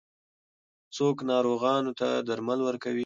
څوک ناروغانو ته درمل ورکوي؟